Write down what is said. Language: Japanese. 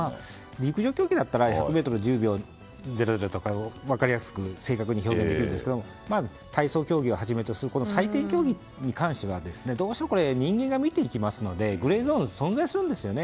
陸上競技だったら１０秒００とかって分かりやすく正確に表示できるんですけど体操競技をはじめとする採点競技に関してはどうしても人間が見ていきますのでグレーゾーンは存在しますよね。